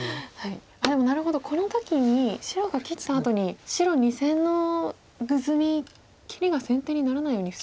でもなるほどこの時に白が切ったあとに白２線のグズミ切りが先手にならないようにしたってことですか３線。